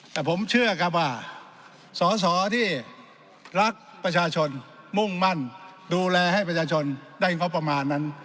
แต่ผมเชื่อครับว่าสอสอที่รักประชาชนมุ่งมั่นดูแลให้ประชาชนได้งบประมาณนั้น